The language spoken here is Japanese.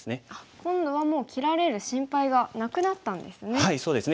今度はもう切られる心配がなくなったんですね。